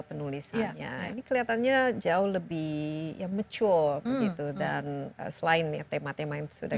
penulisannya ini kelihatannya jauh lebih ya mature gitu dan selain ya tema tema yang sudah